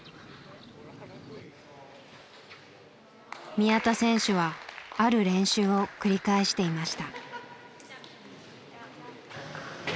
宮田選手はある練習を繰り返していました。